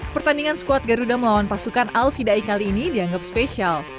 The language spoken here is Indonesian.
pertandingan squad garuda melawan pasukan alfidai kali ini dianggap spesial